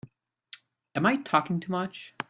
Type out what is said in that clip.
Am I talking too much?